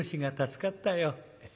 助かったよ！」。